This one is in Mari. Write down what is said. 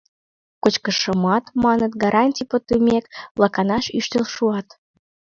Кочкышымат, маныт, гарантий пытымек, лаканыш ӱштыл шуат.